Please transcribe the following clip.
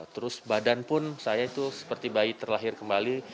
terus badan pun saya itu seperti bayi terlahir kembali